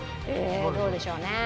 どうでしょうね？